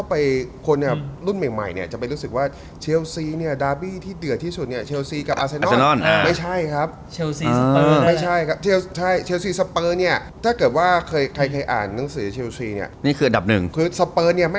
พูดอย่างนี้เดี๋ยวแฟนสเปอร์โกรธ